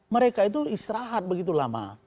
mereka itu istirahat begitu lama